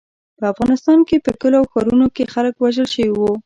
په افغانستان کې په کلیو او ښارونو کې خلک وژل شوي وو.